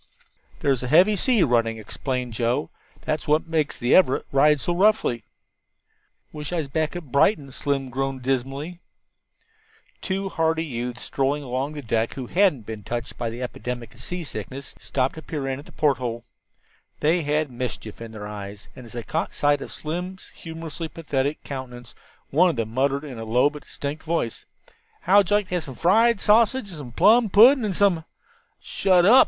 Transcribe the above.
"There's a heavy sea running," explained Joe; "that's what makes the Everett ride so roughly." "Wish I was back at Brighton," Slim groaned dismally. Two hardy youths strolling along the deck, who hadn't been touched by the epidemic of seasickness, stopped to peer in at the porthole. They had mischief in their eyes, and as they caught sight of Slim's humorously pathetic countenance, one of them muttered in a low but distinct voice: "How'd you like to have some fried sausage, and some plum pudding, and some " "Shut up!"